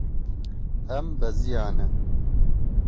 Em beziyane.